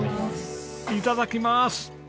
いただきまーす！